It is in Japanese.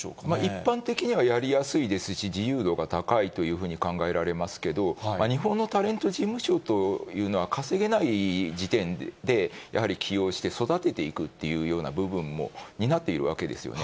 一般的にはやりやすいですし、自由度が高いというふうに考えられますけれども、日本のタレント事務所というのは、稼げない時点でやはり起用して育てていくというような部分も担っているわけですよね。